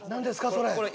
それ。